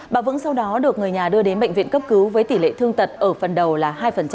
bà vững sau đó được người nhà đưa đến bệnh viện cấp cứu với tỷ lệ thương tật ở phần đầu là hai